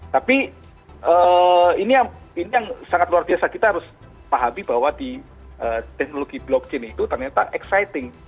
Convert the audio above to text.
tapi ini yang sangat luar biasa kita harus pahami bahwa di teknologi blockchain itu ternyata exciting